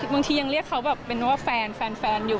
บางทียังเรียกเขาแบบเป็นว่าแฟนอยู่